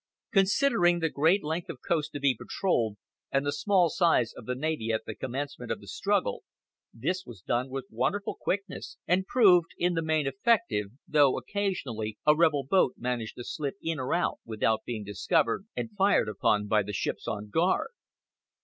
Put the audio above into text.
Considering the great length of coast to be patrolled, and the small size of the navy at the commencement of the struggle, this was done with wonderful quickness, and proved in the main effective, though occasionally a rebel boat managed to slip in or out without being discovered and fired upon by the ships on guard.